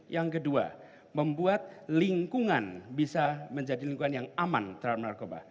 yang kedua membuat lingkungan bisa menjadi lingkungan yang aman terhadap narkoba